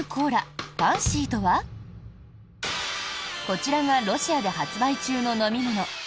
こちらがロシアで発売中の飲み物